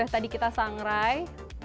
tadi kita sangrai